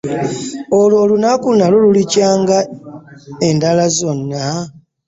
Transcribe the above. Olwo olunaku nalwo lulikya nga endala zonna?